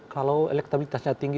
kalau elektabilitasnya tinggi